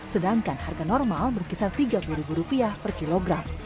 sedangkan harga normal berkisar tiga puluh rupiah per kilogram